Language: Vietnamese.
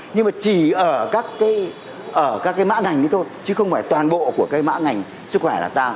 nhưng mà chỉ ở các cái mã ngành đấy thôi chứ không phải toàn bộ của cái mã ngành sức khỏe là ta